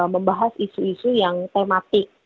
membahas isu isu yang tematik